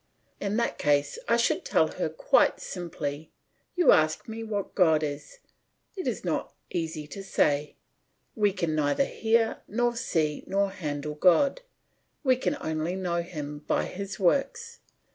In that case I should tell her quite simply, "You ask me what God is; it is not easy to say; we can neither hear nor see nor handle God; we can only know Him by His works.